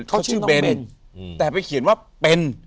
เขาชื่อเบนแต่ไปเขียนว่าเป็น